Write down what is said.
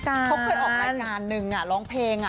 เขาเคยออกรายการหนึ่งร้องเพลง